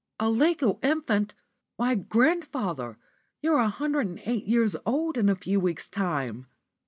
"A legal infant! Why, grandfather, you're a hundred and eight years old in a few weeks' time."